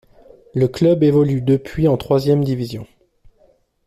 Le club évolue depuis en troisième division.